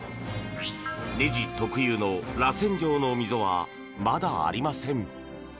ねじ特有の、らせん状の溝はまだありません。